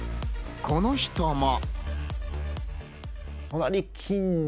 この人も。